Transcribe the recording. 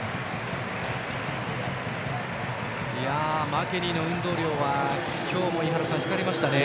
マケニーの運動量は今日も井原さん光りましたね。